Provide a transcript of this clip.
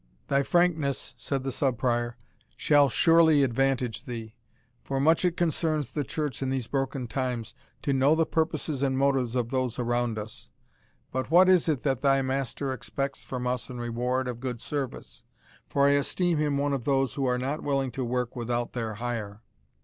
"Thy frankness," said the Sub Prior, "shall surely advantage thee; for much it concerns the Church in these broken times to know the purposes and motives of those around us. But what is it that thy master expects from us in reward of good service? for I esteem him one of those who are not willing to work without their hire."